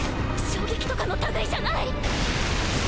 衝撃とかの類じゃない！